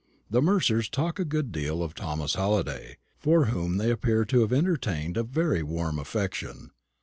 The Mercers talk a good deal of Thomas Halliday, for whom they appear to have entertained a very warm affection.